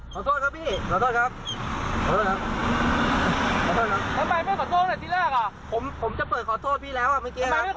ขอโทษครับพี่ขอโทษครับขอโทษครับขอโทษครับ